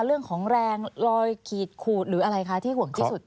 เรื่องของแรงรอยขีดขูดหรืออะไรคะที่ห่วงที่สุด